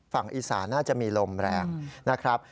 ฝั่งอีสานน่าจะมีลมแรงนะครับ